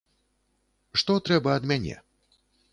Што трэба ад мяне?